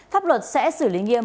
pháp luật sẽ xử lý nghiêm